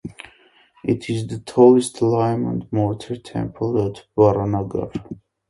It is the tallest lime and mortar temple at Baranagar.